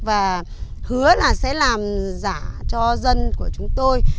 và hứa là sẽ làm giả cho dân của chúng tôi